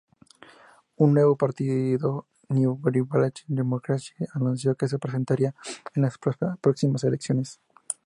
Un nuevo partido, New Gibraltar Democracy, anunció que se presentaría a las próximas elecciones.